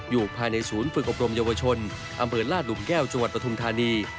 อยู่ภายในศูนย์ฝึกอบรมเยาวชนอำเบิร์นลาดลุมแก้วจปทุนทานี